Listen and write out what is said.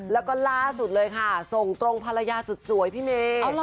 แล้วก็ล่าสุดเลยค่ะส่งตรงภรรยาสุดสวยพี่เมย์